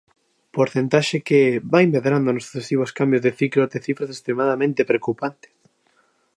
Porcentaxe que "vai medrando nos sucesivos cambios de ciclo até cifras extremadamente preocupantes".